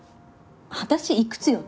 私いくつよ？